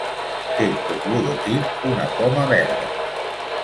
Té com logotip una poma verda.